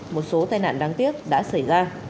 một số tai nạn đáng tiếc đã xảy ra